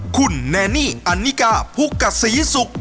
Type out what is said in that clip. คุณแนนี่อันนิกาภูกะศรีศุกร์